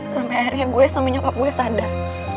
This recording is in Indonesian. sampai akhirnya gue sama nyokap gue sadar